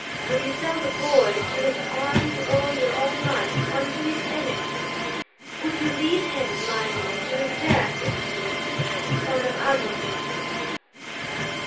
Would you sell the boy to whose arm you owe your own life, unto his enemies? Would you lead him blindly to his death, Ixtli, son of Aztotl?"